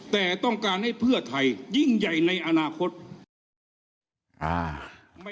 แต่ต้องการให้เพื่อไทยยิ่งใหญ่ในอนาคต